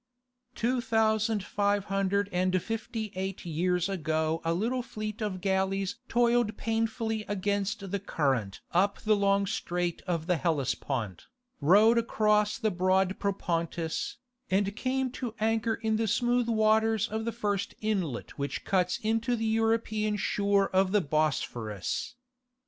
Two thousand five hundred and fifty eight years ago a little fleet of galleys toiled painfully against the current up the long strait of the Hellespont, rowed across the broad Propontis, and came to anchor in the smooth waters of the first inlet which cuts into the European shore of the Bosphorus.